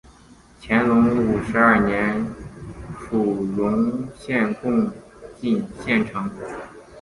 乾隆五十二年署荣县贡井县丞。